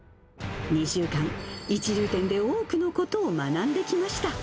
２週間、一流店で多くのことを学んできました。